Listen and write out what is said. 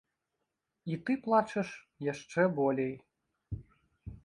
І ты плачаш яшчэ болей.